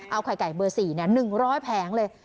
เอาไข่ไก่เบอร์๔๑๐๐แผงเลย